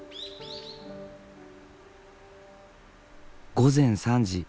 午前３時。